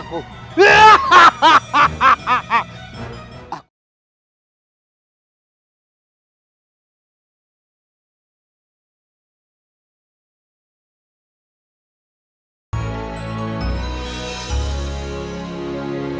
dan terelas aku